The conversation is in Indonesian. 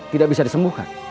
tidak bisa disembuhkan